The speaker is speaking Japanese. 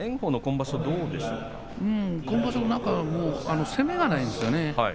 今場所は何か攻めがないんですよね。